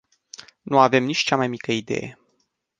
Nu avem nici cea mai mică idee.